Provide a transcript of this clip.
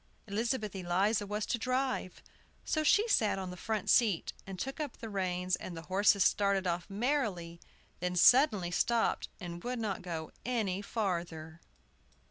Elizabeth Eliza was to drive; so she sat on the front seat, and took up the reins, and the horse started off merrily, and then suddenly stopped, and would not go any farther.